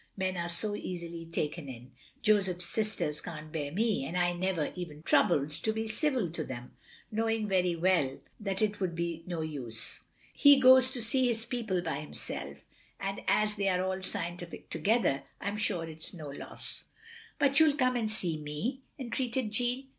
Men are so easily taken in. Joseph's sisters can't bear me, and I never even troubled to be civil to them, knowing very well that it would be no use. He goes to see his people by himself, and as they are all scientific together, I 'm sure it 's no loss. " "But you'll come and see nt^," entreated Jeanne.